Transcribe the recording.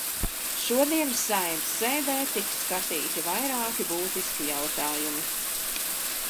Šodienas Saeimas sēdē tika skatīti vairāki būtiski jautājumi.